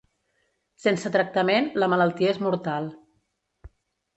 Sense tractament, la malaltia és mortal.